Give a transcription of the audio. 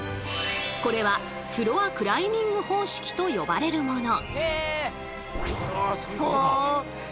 これはフロアクライミング方式と呼ばれるもの。